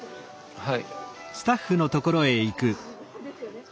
はい。